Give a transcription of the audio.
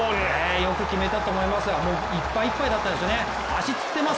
よく決めたと思いますいっぱいいっぱいだったと思います。